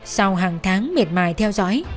sau hàng tháng miệt mài theo dõi